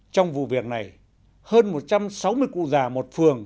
trong vụ việc này hơn một trăm sáu mươi cụ già một phường